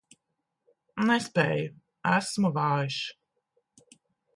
Nespēju, esmu vājš.